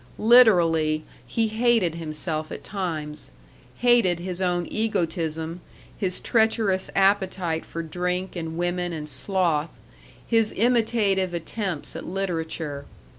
Literally, he hated himself at times; hated his own egotism, his treacherous appetite for drink and women and sloth, his imitative attempts at literature.